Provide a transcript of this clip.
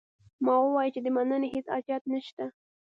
ما وویل چې د مننې هیڅ حاجت نه شته.